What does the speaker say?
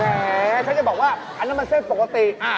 ฉันจะบอกว่าอันนั้นมันเส้นปกติ